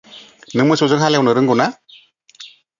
नों मोसौजों हाल एवनो रोंगौ ना?